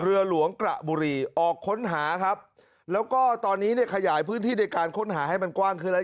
เรือหลวงกระบุรีออกค้นหาครับแล้วก็ตอนนี้เนี่ยขยายพื้นที่ในการค้นหาให้มันกว้างขึ้นแล้ว